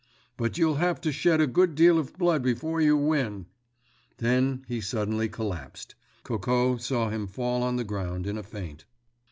But you'll have to shed a good deal of blood before you win!" Then he suddenly collapsed. Coco saw him fall on the ground in a faint.